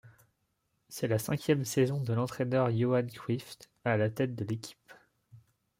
C'est la cinquième saison de l'entraîneur Johan Cruijff à la tête de l'équipe.